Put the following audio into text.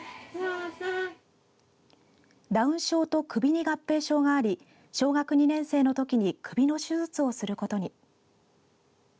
ダウン症と、首に合併症があり小学２年生のときに首の手術をすることに。